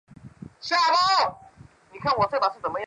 如果两岸共同的政治基础遭到破坏，则基础不牢，地动山摇。